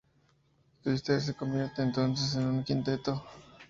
Twister se convierte entonces en un quinteto.